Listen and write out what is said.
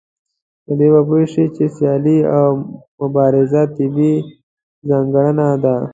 په دې به پوه شئ چې سيالي او مبارزه طبيعي ځانګړنه ده.